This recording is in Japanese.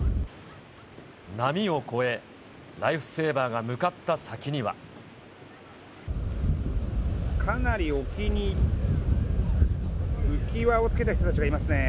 波を越え、ライフセーバーがかなり沖に、浮き輪を着けた人たちがいますね。